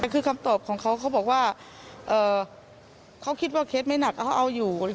คือคำตอบของเขาเขาบอกว่าเขาคิดว่าเคสไม่หนักเขาเอาอยู่